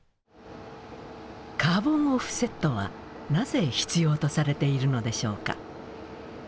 カーボンオフセットはなぜ必要とされているのでしょうか。